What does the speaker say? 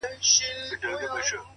د موخې ثبات د لارې سختي کموي.!